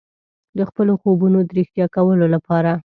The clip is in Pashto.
د خپلو خوبونو د ریښتیا کولو لپاره.